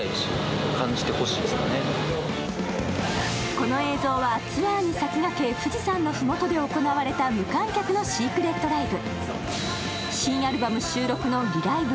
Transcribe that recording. この映像はツアーに先駆け、富士山の麓で行われた無観客のシークレットライブ。